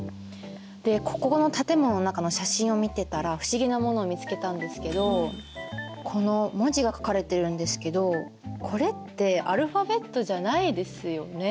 でここの建物の中の写真を見てたら不思議なものを見つけたんですけどこの文字が書かれてるんですけどこれってアルファベットじゃないですよね？